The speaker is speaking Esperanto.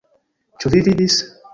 Ĉu vi vidis?